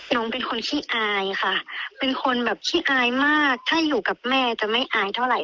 น้องเป็นคนขี้อายค่ะเป็นคนแบบขี้อายมากถ้าอยู่กับแม่จะไม่อายเท่าไห